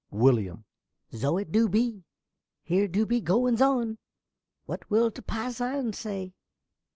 ~Willyum.~ Zo it du be. Here du be goings on! What will t' passon say?